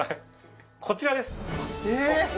こちらです